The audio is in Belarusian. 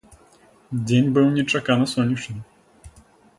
Дзень быў нечакана сонечны.